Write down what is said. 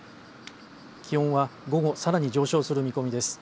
気温は午後さらに上昇する見込みです。